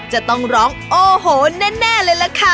จะต้องร้องโอ้โหแน่เลยล่ะค่ะ